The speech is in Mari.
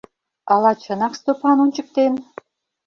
— Ала чынак Стопан ончыктен?